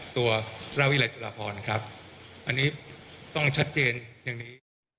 ตัวพระวิรัยจุฬาพรครับอันนี้ต้องชัดเจนอย่างนี้